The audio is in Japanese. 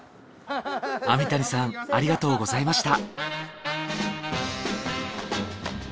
網谷さんありがとうございました。